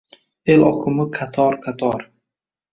El oqimi qator-qator